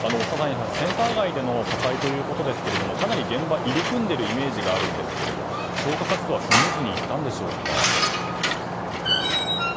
センター街の火災ですがかなり現場、入り組んでいるイメージがあるんですけれど消火活動はスムーズにいったんでしょうか。